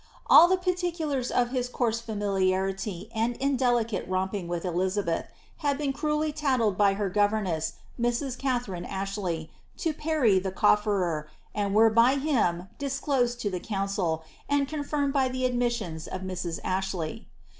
All the particulars, of his coarse familiarity and indelicate romping with Elizabeth, had been cruelly tattled by her governess, Mrs. Katharine Ashley, to Parry the cofierer, and were by him disclosed to the council, and confirmed by the admissions of Mrs. Ashley.